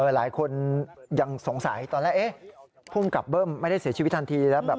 หลายคนยังสงสัยตอนแรกเอ๊ะภูมิกับเบิ้มไม่ได้เสียชีวิตทันทีแล้วแบบ